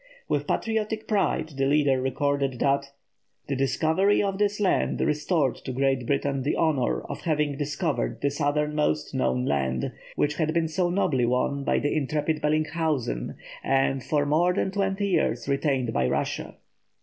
With patriotic pride the leader recorded that "the discovery of this land restored to Great Britain the honour of having discovered the southernmost known land, which had been so nobly won by the intrepid Bellinghausen, and for more than twenty years retained by Russia."